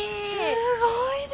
すごいね。